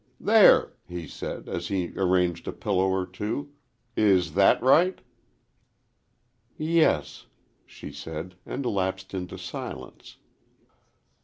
"There," he said, as he arranged a pillow or two, "is that right?" "Yes," she said, and lapsed into silence.